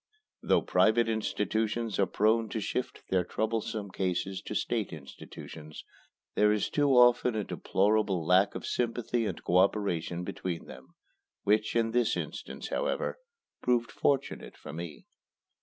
Though private institutions are prone to shift their troublesome cases to state institutions, there is too often a deplorable lack of sympathy and co operation between them, which, in this instance, however, proved fortunate for me.